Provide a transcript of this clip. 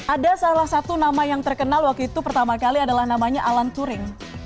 ada salah satu nama yang terkenal waktu itu pertama kali adalah namanya alan touring